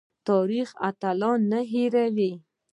تاریخ اتلان نه هیروي